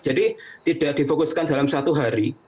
jadi tidak difokuskan dalam satu hari